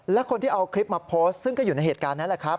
และคนที่เอาคลิปมาโพสต์ซึ่งก็อยู่ในเหตุการณ์นั้นแหละครับ